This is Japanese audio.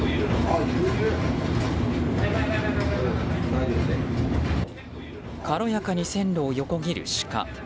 軽やかに線路を横切るシカ。